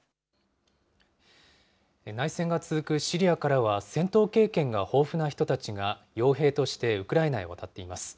内戦が続くシリアからは、戦闘経験が豊富な人たちがよう兵としてウクライナへ渡っています。